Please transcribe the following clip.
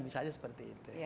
misalnya seperti itu